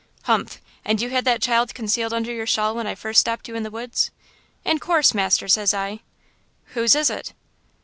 "'Humph–and you had that child concealed under your shawl when I first stopped you in the woods?' "'In course, master,' says I. "'Whose is it?'